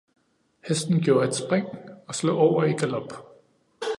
Hesten gjorde et spring og slog over i galop.